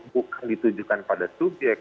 bukan ditujukan pada subjek